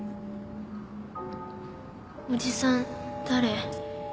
おじさん誰？